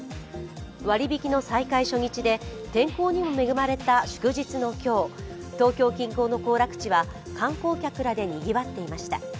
割引の再開初日で天候にも恵まれた祝日の今日、東京近郊の行楽地は観光客らでにぎわっていました。